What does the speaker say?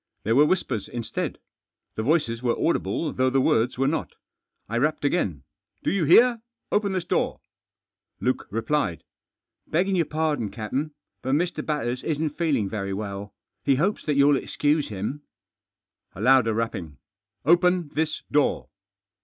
There were whispers instead. The voices were audible though the words were not. I rapped again. (i Po you hear ? open this door !" J^uke replied. "Beggin' your pardon, captain, but Mr. Batters isn't feeling very well. He hopes that you'll excuse him." v A louder rapping. " Open this door."